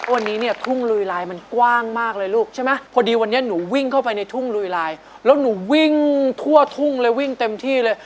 วันนี้เนี่ยทุ่งลุยลายมันกว้างมากเลยลูกใช่ไหมพอดีวันนี้หนูวิ่งเข้าไปในทุ่งลุยลายแล้วหนูวิ่งทั่วทุ่งเลยวิ่งเต็มที่เลย